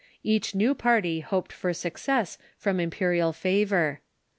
Each new party hoped for suc cess from imperial favor.